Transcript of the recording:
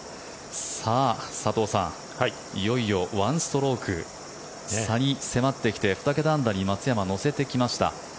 佐藤さん、いよいよ１ストローク差に迫ってきて２桁アンダーに松山は乗せてきました。